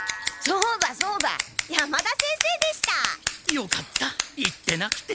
よかった言ってなくて。